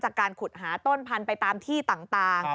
จากการขุดหาต้นพันธุ์ไปตามที่ต่าง